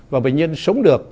và bệnh nhân sống được